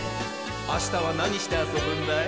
あしたはなにしてあそぶんだい？